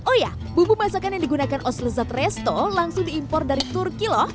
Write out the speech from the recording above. oh ya bumbu masakan yang digunakan oz lezat resto langsung diimpor dari turki loh